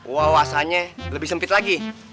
wah wasahannya lebih sempit lagi